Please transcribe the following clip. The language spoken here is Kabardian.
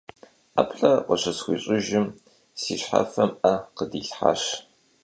ӀэплӀэ къыщысхуищӀыжым, си щхьэфэм Ӏэ къыдилъащ.